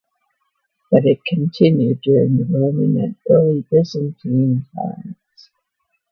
But it continued during the Roman and early Byzantine times.